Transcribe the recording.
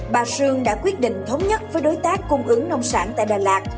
bà sương đã quyết định thống nhất với đối tác cung ứng nông sản tại đà lạt